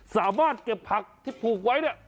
สามารถเก็บผักที่ปลูกไว้